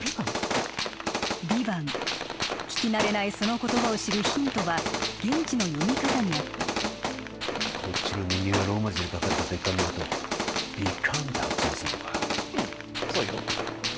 「ヴィヴァン」聞き慣れないその言葉を知るヒントは現地の読み方にあったこっちの人間はローマ字で書かれた別館のことをヴィカァンって発音するのかうんそうよ